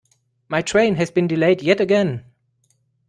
My train has been delayed yet again.